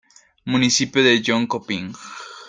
Municipio de Jönköping